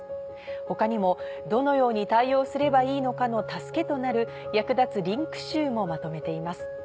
他にもどのように対応すればいいのかの助けとなる役立つリンク集もまとめています。